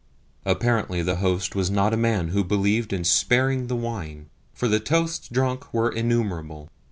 Apparently the host was not a man who believed in sparing the wine, for the toasts drunk were innumerable.